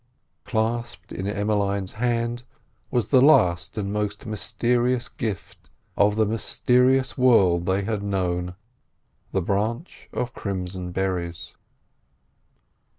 Clasped in Emmeline's hand was the last and most mysterious gift of the mysterious world they had known—the branch of crimson berries.